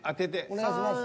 お願いします。